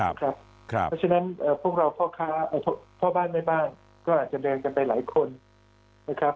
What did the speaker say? เพราะฉะนั้นพวกเราพ่อค้าพ่อบ้านแม่บ้านก็อาจจะเดินกันไปหลายคนนะครับ